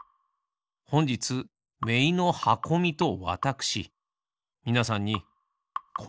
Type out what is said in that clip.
ほんじつめいのはこみとわたくしみなさんにこんにちは。